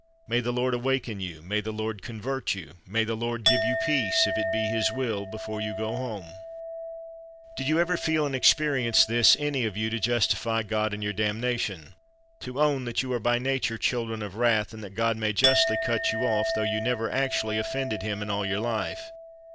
May the Lord awaken you, may the Lord convert you, may the Lord give you peace, if it be His will, before you go home ! Did you ever feel and experience this, any of you — to justify God in your damnation — to own 185 THE WORLD'S FAMOUS ORATIONS that you are by nature children of wrath, and that God may justly cut you off, tho you never actually had offended Him in all your life